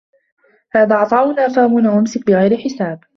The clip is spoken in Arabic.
هذا عَطاؤُنا فَامنُن أَو أَمسِك بِغَيرِ حِسابٍ